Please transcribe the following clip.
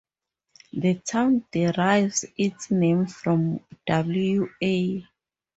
The town derives its name from W. A.